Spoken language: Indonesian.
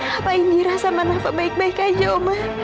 apa indira sama nafa baik baik aja oma